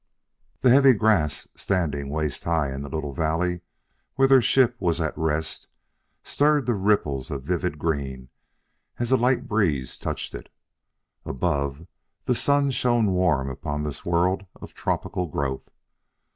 The heavy grass, standing waist high in the little valley where their ship was at rest, stirred to ripples of vivid green as a light breeze touched it. Above, the sun shone warm upon this world of tropical growth.